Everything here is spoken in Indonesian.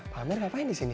pak amir ngapain disini